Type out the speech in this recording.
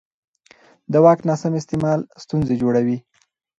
د واک ناسم استعمال ستونزې جوړوي